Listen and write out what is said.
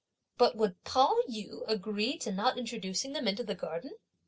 But would Pao yü agree to not introducing them into the garden?